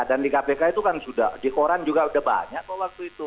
dan di kpk itu kan sudah di koran juga sudah banyak waktu itu